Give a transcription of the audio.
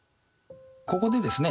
ここでですね